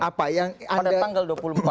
apa yang ada tanggal dua puluh empat